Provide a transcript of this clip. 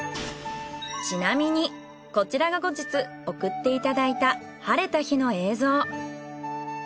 ちなみにこちらが後日送っていただいた晴れた日の映像。